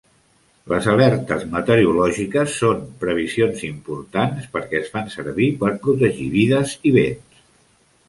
Les alertes meteorològiques són previsions importants perquè es fan servir per protegir vides i béns.